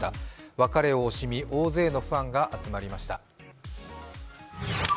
別れを惜しみ、大勢のファンが集まりました。